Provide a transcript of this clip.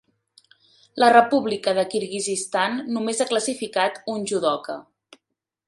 La República de Kirguizistan. només ha classificat un judoka.